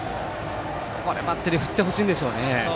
バッテリー振ってほしいんでしょうね。